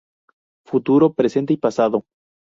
Futuro, presente y pasado".